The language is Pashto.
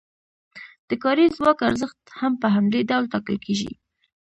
د کاري ځواک ارزښت هم په همدې ډول ټاکل کیږي.